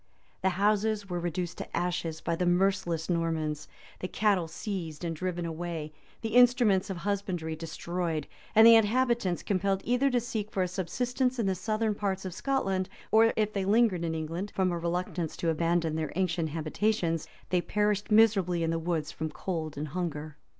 [*] The houses were reduced to ashes by the merciless Normans; the cattle seized and driven away; the instruments of husbandry destroyed; and the inhabitants compelled either to seek for a subsistence in the southern parts of Scotland, or if they lingered in England, from a reluctance to abandon their ancient habitations, they perished miserably in the woods from cold and hunger.